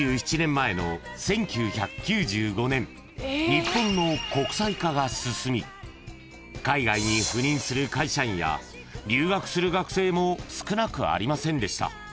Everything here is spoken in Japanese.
［日本の国際化が進み海外に赴任する会社員や留学する学生も少なくありませんでした］